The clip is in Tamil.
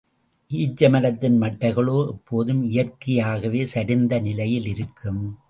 ஈச்ச மரத்தின் மட்டைகளோ எப்போதுமே இயற்கையாகவே சரிந்த நிலையில் இருக்கும்.